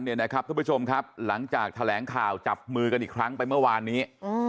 ทุกผู้ชมครับหลังจากแถลงข่าวจับมือกันอีกครั้งไปเมื่อวานนี้